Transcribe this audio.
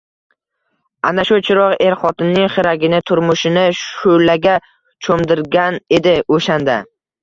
Ana shu chiroq er-xotinning xiragina turmushini shu`laga cho`mdirgan edi o`shanda